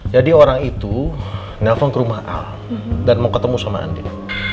jadi orang itu nelfon ke rumah al dan mau ketemu sama andien